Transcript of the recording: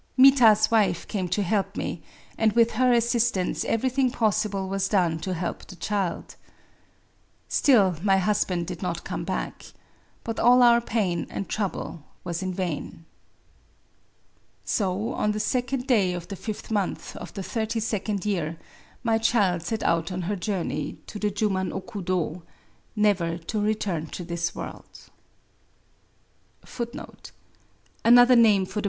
Mita's wife came to help me ; and with her assistance everything possible was done to help the child. •.• Still my husband did not come back. But all our pain and trouble was in vain. So, on the second day of the fifth month of the thirty second year, my child set out on her journey to the Juman" okudo^ — never to return to this world.